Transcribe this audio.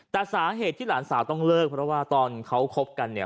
แต่สาเหตุที่หลานสาวต้องเลิกเพราะว่าตอนเขาคบกันเนี่ย